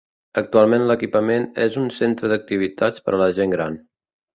Actualment l'equipament és un centre d'activitats per a la gent gran.